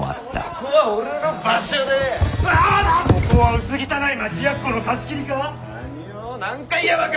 ここは薄汚い町奴の貸し切りか？